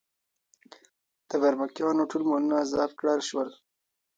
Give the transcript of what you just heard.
د برمکیانو ټول مالونه ضبط کړل شول.